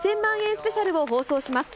スペシャルを放送します。